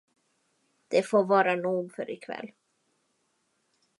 Det får vara nog för i kväll.